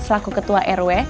selaku ketua rw